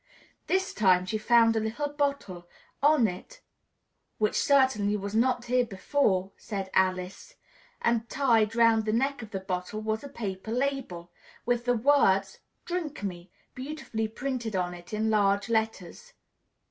This time she found a little bottle on it ("which certainly was not here before," said Alice), and tied 'round the neck of the bottle was a paper label, with the words "DRINK ME" beautifully printed on it in large letters.